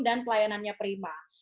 dan pelayanannya prima